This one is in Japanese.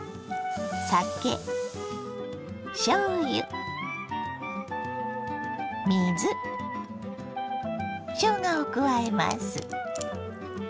酒しょうゆ水しょうがを加えます。